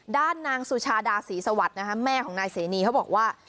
ด้านนางสุชาดาศรีสวัสดิ์แม่ของนายเสนีเขาบอกว่า